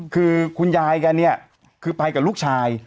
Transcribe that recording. คือคุณยายแกเนี่ยคือไปกับลูกชาย